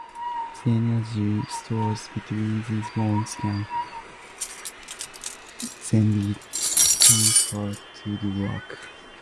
The energy stored between these bonds can then be transferred to do work.